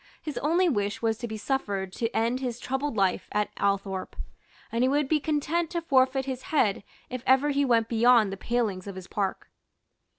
His only wish was to be suffered to end his troubled life at Althorpe; and he would be content to forfeit his head if ever he went beyond the palings of his park.